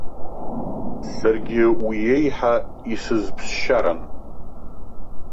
Саргьы уи еиҳа исызԥсшьаран.